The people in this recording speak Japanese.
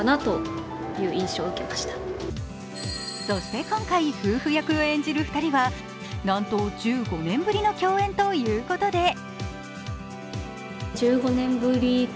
そして今回、夫婦役を演じる２人はなんと１５年ぶりの共演ということで。